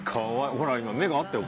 ほら今目が合ったよ